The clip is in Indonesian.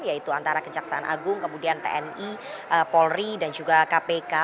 yaitu antara kejaksaan agung kemudian tni polri dan juga kpk